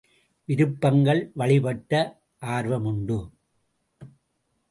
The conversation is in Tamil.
விருப்பங்கள் வழிப்பட்ட ஆர்வம் உண்டு.